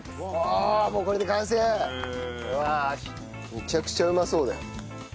めちゃくちゃうまそうだよ。